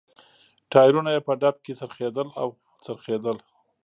ټایرونه یې په ډب کې څرخېدل او څرخېدل.